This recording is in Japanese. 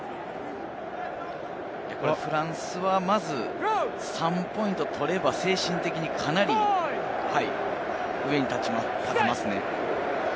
フランスはまず３ポイント取れば、精神的にかなり上に立てますね。